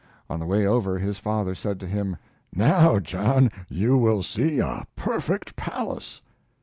On the way over his father said to him: "Now, John, you will see a perfect palace."